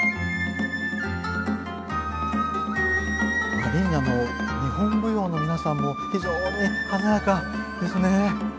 アリーナの日本舞踊の皆さんも非常に華やかですね。